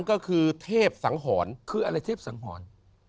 ก็คือเทพสังหรณ์คืออะไรเทพสังหรณ์